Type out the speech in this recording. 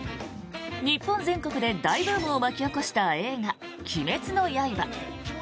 日本全国で大ブームを巻き起こした映画「鬼滅の刃」。